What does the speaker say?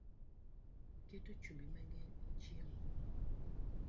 Iketo chumbi mangeny e chiemo